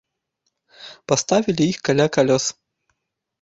Паставілі іх каля калёс.